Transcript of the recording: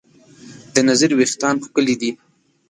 د نذیر وېښتیان ښکلي دي.